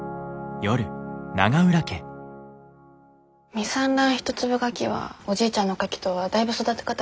未産卵一粒ガキはおじいちゃんのカキとはだいぶ育て方が違うよ。